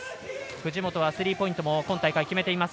藤本はスリーポイントも今大会決めています。